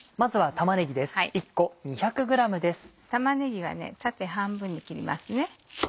玉ねぎは縦半分に切りますね。